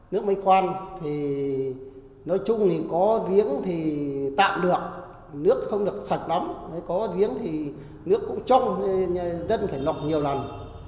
nước máy khoan thì nói chung có giếng thì tạm được nước không được sạch lắm có giếng thì nước cũng trong nên dân phải lọc nhiều lần